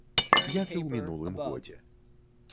Як і ў мінулым годзе.